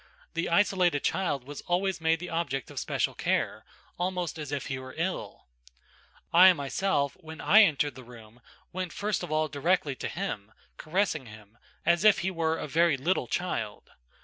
The isolated child was always made the object of special care, almost as if he were ill. I myself, when I entered the room, went first of all directly to him, caressing him, as if he were a very little child.